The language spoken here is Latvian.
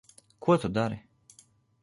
Ko tu dari?